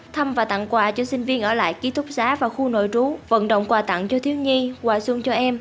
thăm và tặng quà cho sinh viên ở lại ký túc xá và khu nội trú vận động quà tặng cho thiếu nhi quà xuân cho em